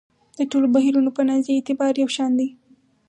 د ټولو بهیرونو په نزد یې اعتبار یو شان دی.